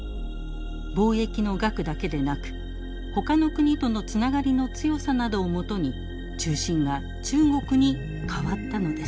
貿易の額だけでなくほかの国とのつながりの強さなどをもとに中心が中国に替わったのです。